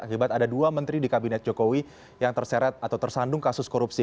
akibat ada dua menteri di kabinet jokowi yang terseret atau tersandung kasus korupsi